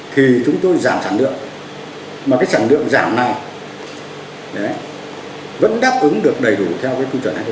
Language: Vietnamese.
thì chúng tôi giảm sản lượng mà cái sản lượng giảm này vẫn đáp ứng được đầy đủ theo cư chuẩn hai nghìn một mươi tám